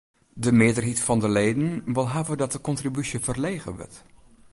De mearheid fan de leden wol hawwe dat de kontribúsje ferlege wurdt.